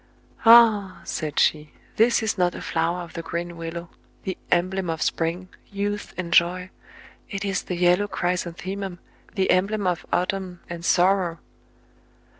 "Ah!" said she, "this is not a flower of the green willow, the emblem of spring, youth, and S6 TRIBULATIONS OF A CHINAMAN, joy : it is the yellow chrysanthemum, the emblem of autumn and sorrow